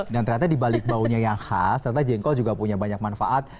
dan ternyata dibalik baunya yang khas ternyata jengkol juga punya banyak manfaat